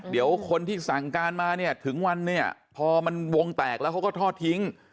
เดี๋ยวคนที่สั่งการมาเนี่ยถึงวันเนี่ยพอมันวงแตกแล้วเขาก็ทอดทิ้ง